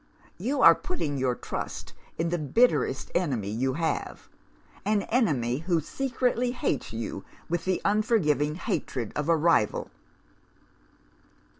You are putting your trust in the bitterest enemy you have; an enemy who secretly hates you with the unforgiving hatred of a rival!